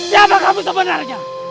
siapa kamu sebenarnya